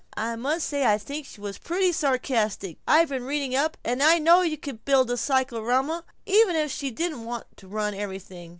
I must say I think she was pretty sarcastic. I've been reading up, and I know I could build a cyclorama, if she didn't want to run everything."